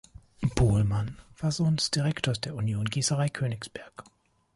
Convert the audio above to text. Bohlmann war Sohn des Direktors der Union Gießerei Königsberg.